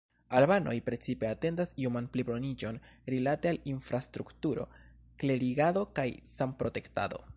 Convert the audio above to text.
Albanoj precipe atendas ioman pliboniĝon rilate al infrastrukturo, klerigado kaj sanprotektado.